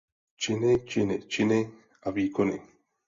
Činy, činy, činy a výkony.